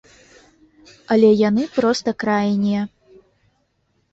Але яны проста крайнія.